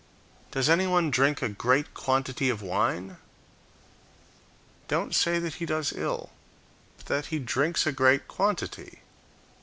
Does anyone drink a great quantity of wine? Don't say that he does ill, but that he drinks a great quantity.